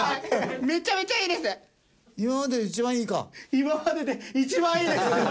今までで一番いいです！